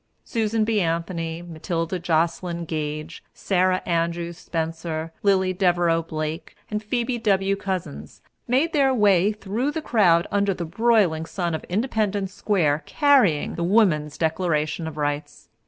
Susan B. Anthony, Matilda Joslyn Gage, Sara Andrews Spencer, Lillie Devereux Blake, and Phoebe W. Couzins made their way through the crowds under the broiling sun of Independence Square, carrying the Woman's Declaration of Rights.